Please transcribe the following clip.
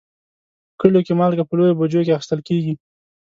په کلیو کې مالګه په لویو بوجیو کې اخیستل کېږي.